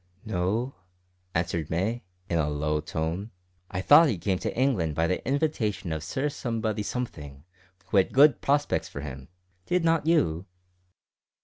"No," answered May, in a low tone. "I thought he came to England by the invitation of Sir Somebody Something, who had good prospects for him. Did not you?"